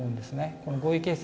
この合意形成